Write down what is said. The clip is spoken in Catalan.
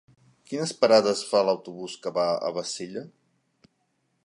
Quines parades fa l'autobús que va a Bassella?